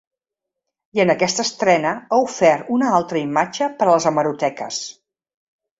I en aquesta estrena ha ofert una altra imatge per a les hemeroteques.